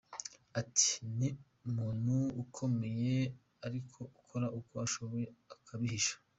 Ati “Ni umuntu ukomeye ariko ukora uko ashoboye akabihisha.